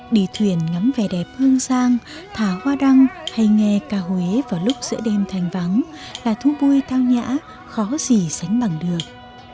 đi thuyền ngắm vẻ đẹp hương sang thả hoa đăng hay nghe ca huế vào lúc giữa đêm thành vắng là thu vui tao nhã khó gì sánh bằng được